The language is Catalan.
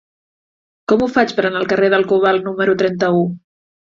Com ho faig per anar al carrer del Cobalt número trenta-u?